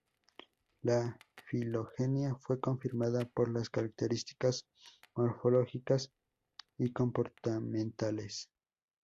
La filogenia fue confirmada por las características morfológicas y comportamentales.